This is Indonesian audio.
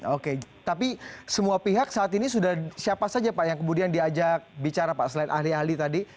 oke tapi semua pihak saat ini sudah siapa saja pak yang kemudian diajak bicara pak selain ahli ahli tadi